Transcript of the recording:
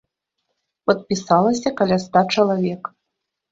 Падпісалася каля ста чалавек.